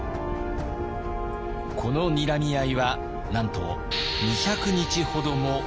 このにらみ合いはなんと２００日ほども続きました。